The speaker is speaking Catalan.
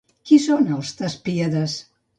Qui són les Tespíades?